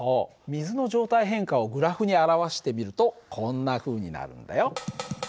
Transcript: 水の状態変化をグラフに表してみるとこんなふうになるんだよ。